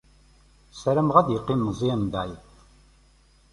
Ssarameɣ ad yeqqim Meẓẓyan mbaɛid.